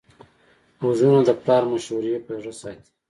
غوږونه د پلار مشورې په زړه ساتي